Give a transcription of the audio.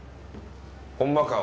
ほんまか？